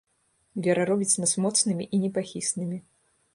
Вера робіць нас моцнымі і непахіснымі.